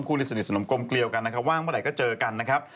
คู่นี้สนิทสนมกลมเกลียวกันนะครับว่างเมื่อไหร่ก็เจอกันนะครับ